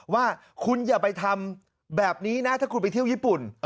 ว่าคุณอย่าไปทำแบบนี้นะถ้าคุณไปเที่ยวญี่ปุ่น